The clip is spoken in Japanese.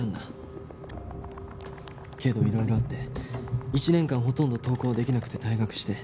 けどいろいろあって１年間ほとんど登校できなくて退学して。